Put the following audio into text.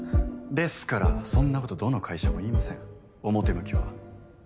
ですからそんなことどの会社も言いません表向きは。